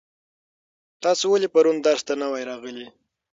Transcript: تاسو ولې پرون درس ته نه وای راغلي؟